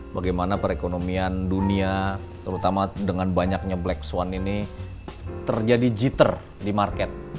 bagaimana perekonomian dunia terutama dengan banyaknya black one ini terjadi gtter di market